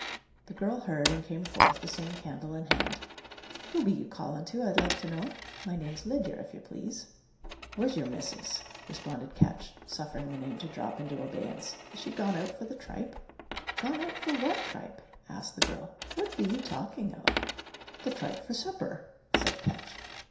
The girl heard, and came forth, the same candle in hand. "Who be you calling to, I'd like to know? My name's Lidyar, if you please." "Where's your missis?" responded Ketch, suffering the name to drop into abeyance. "Is she gone out for the tripe?" "Gone out for what tripe?" asked the girl. "What be you talking of?" "The tripe for supper," said Ketch.